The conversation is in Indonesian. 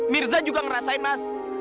mirza juga ngerasain mas